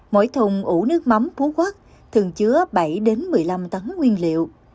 mỗi thùng ủ nước mắm phú quốc thường chứa bảy một mươi năm tấn nguyên liệu